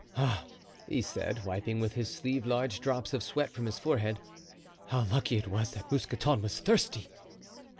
"Ah!" he said, wiping with his sleeve large drops of sweat from his forehead, "how lucky it was that Mousqueton was thirsty!"